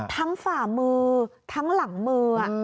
ฝ่ามือทั้งหลังมือ